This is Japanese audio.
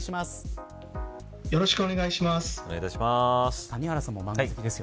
よろしくお願いします。